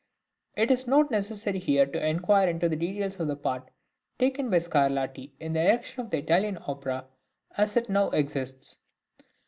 It is not necessary here to inquire into the details of the part taken by Scarlatti in the erection of Italian opera as it now exists.